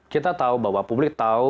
kita tahu bahwa publik tahu